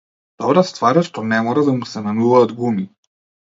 Добра ствар е што не мора да му се менуваат гуми.